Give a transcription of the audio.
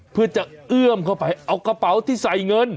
เพื่อจะเอื้อมเข้าไปเอากระเป๋าที่ใส่เงิน